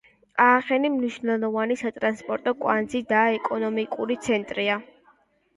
აახენი მნიშვნელოვანი სატრანსპორტო კვანძი და ეკონომიკური ცენტრია.